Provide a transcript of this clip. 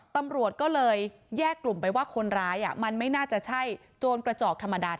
ตำรวจก็เลยแยกกลุ่มไปว่าคนร้ายมันไม่น่าจะใช่โจรกระจอกธรรมดา